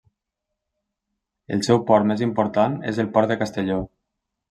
El seu port més important és el port de Castelló.